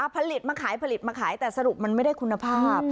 ผลิตมาขายผลิตมาขายแต่สรุปมันไม่ได้คุณภาพ